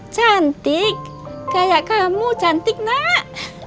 cantik kayak kamu cantik nak